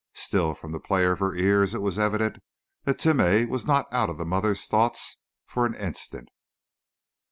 Still, from the play of her ears, it was evident that Timeh was not out of the mother's thoughts for an instant.